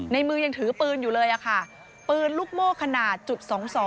ในมือยังถือปืนอยู่เลยค่ะปืนลูกโม่ขนาดจุด๒๒